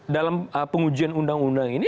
dalam pengujian undang undang ini